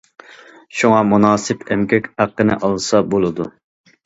شۇڭا مۇناسىپ ئەمگەك ھەققىنى ئالسا بولىدۇ.